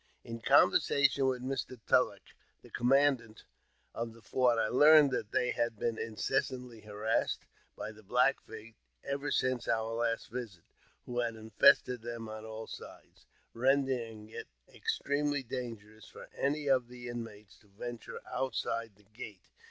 In conversation with Mr. Tulleck, the commandant of the fort, I learned that they had been incessantly harassed by the Black Feet ever since our last visit, who had infested them on all sides, rendering it extremely dangerous for any of the in mates to venture outside the gate.